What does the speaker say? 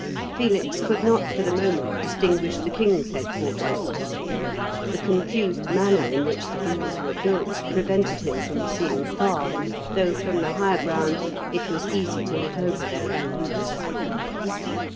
Felix could not for the moment distinguish the king's head quarters. The confused manner in which the booths were built prevented him from seeing far, though from the higher ground it was easy to look over their low roofs.